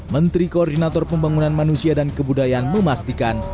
menteri koordinator pembangunan manusia dan kebudayaan memastikan